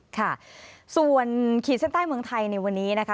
ค่ะส่วนขีดเส้นใต้เมืองไทยในวันนี้นะคะ